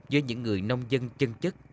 với những người nông dân chân chất